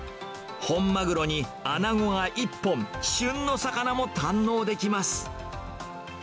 本マグロに、アナゴが１本、旬の魚も堪能できます。